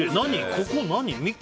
ここ何？